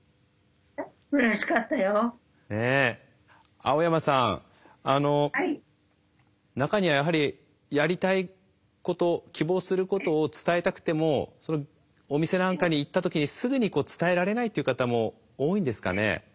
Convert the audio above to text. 青山さん中にはやはりやりたいこと希望することを伝えたくてもお店なんかに行った時にすぐに伝えられないっていう方も多いんですかね？